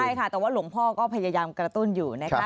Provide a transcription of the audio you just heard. ใช่ค่ะแต่ว่าหลวงพ่อก็พยายามกระตุ้นอยู่นะคะ